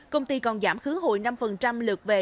công ty còn giảm khứ hội năm lượt về